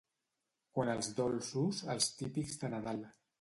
Quant als dolços, els típics de Nadal.